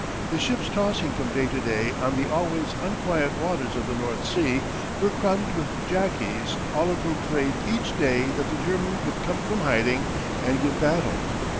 The ships tossing from day to day on the always unquiet waters of the North Sea were crowded with Jackies all of whom prayed each day that the German would come from hiding and give battle.